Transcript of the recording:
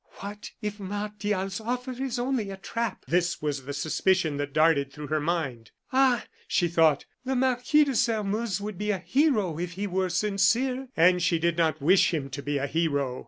"What if Martial's offer is only a trap?" This was the suspicion that darted through her mind. "Ah!" she thought, "the Marquis de Sairmeuse would be a hero if he were sincere!" And she did not wish him to be a hero.